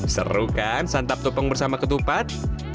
seru kan santap tumpeng bersama ketupat